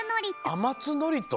あまつのりと？